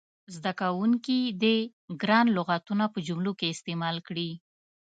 زده کوونکي دې ګران لغتونه په جملو کې استعمال کړي.